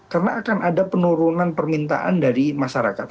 karena akan ada penurunan permintaan dari masyarakat